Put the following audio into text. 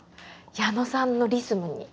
矢野さんのリズムに。